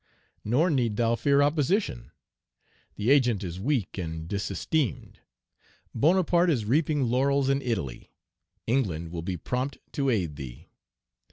Nor need thou fear opposition. The Agent is weak and disesteemed. Bonaparte is reaping laurels in Italy. England will be prompt to aid thee.